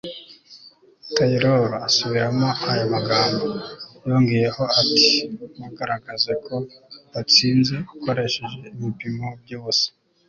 taylor asubiramo aya magambo, yongeyeho ati ntugaragaze ko watsinze ukoresheje ibipimo by'ubusa